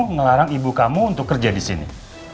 ngelarang ibu kamu untuk kerja disini